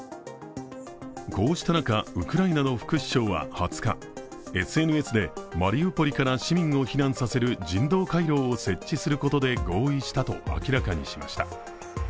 こうした中、ウクライナの副首相は２０日、ＳＮＳでマリウポリから市民を避難させる人道回廊を設置することで合意したと明らかにしました。